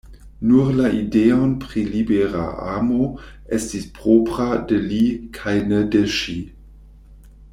Nur la ideon pri libera amo estis propra de li kaj ne de ŝi.